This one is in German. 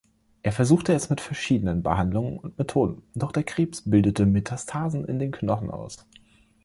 Er versuchte es mit verschiedenen Behandlungen und Methoden, doch der Krebs bildete Metastasen in den Knochen aus.